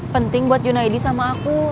penting buat junaidi sama aku